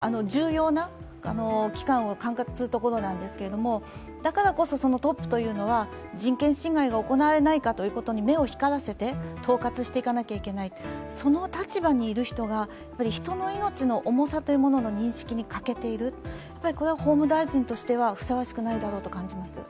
そこで違法行為が行われれば最大の国民に対する人権侵害が生じかねないという重要な機関を管轄するところなんですけれどもだからこそトップというのは人権侵害が行われないかということに目を光らせて統括していかなければいけない、その立場にいる人が、人の命の重さへの認識に欠けている、これは法務大臣としては、ふさわしくないだろうと感じます。